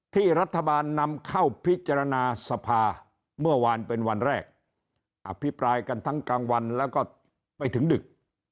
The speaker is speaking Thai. ที่รัฐบาลนำเข้าพิจารณาสภาเมื่อวานเป็นวันแรกอภิปรายกันทั้งกลางวันแล้วก็ไปถึงดึก